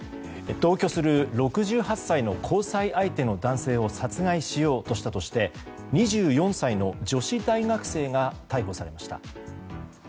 同居する６８歳の交際相手の男性を殺害しようとしたとして２４歳の女子大学生が逮捕されました。